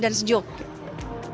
itu tugas kita